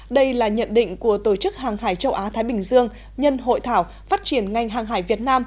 đây là nhận định của tổ chức hàng hải châu á thái bình dương nhân hội thảo phát triển ngành hàng hải việt nam